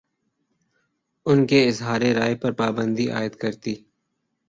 ان کے اظہارِ رائے پر پابندی عائدکرتی